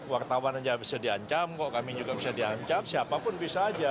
wartawan saja bisa diancam kok kami juga bisa diancam siapapun bisa aja